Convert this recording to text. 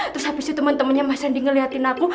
terus abis itu temen dua nya mas andi ngeliatin aku